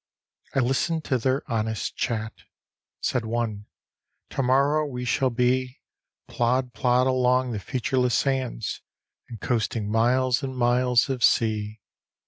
I listened to their honest chat. Said one, " To morrow we shall be Flod plod along the featureless sands, And coasting miles and miles of sea."